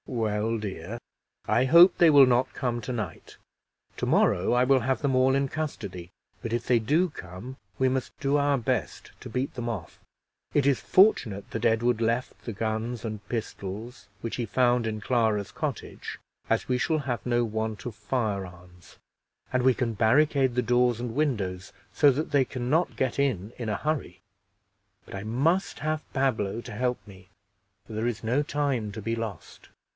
"Well, dear, I hope they will not come tonight: tomorrow I will have them all in custody; but if they do come, we must do our best to beat them off. It is fortunate that Edward left the guns and pistols which he found in Clara's cottage, as we shall have no want of firearms; and we can barricade the doors and windows, so that they can not get in in a hurry; but I must have Pablo to help me, for there is no time to be lost."